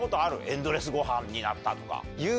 エンドレスごはんになったとか。